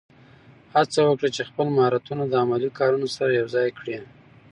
هڅه وکړه چې خپل مهارتونه د عملي کارونو سره یوځای کړې.